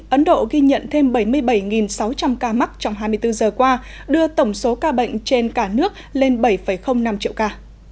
ấn độ ghi nhận thêm bảy mươi bảy sáu trăm linh ca mắc trong hai mươi bốn giờ qua đưa tổng số ca bệnh trên cả nước lên bảy năm triệu ca